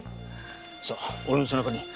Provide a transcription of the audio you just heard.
さあ俺の背中に。